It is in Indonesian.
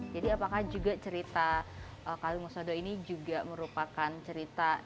jadi apakah juga cerita kalimah sada ini juga merupakan cerita